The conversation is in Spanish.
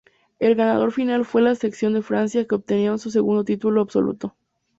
El ganador final fue la selección de Francia, que obtenía su segundo título absoluto.